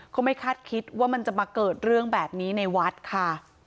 ไม่คาดคิดว่ามันจะมาเกิดเรื่องแบบนี้ในวัดค่ะ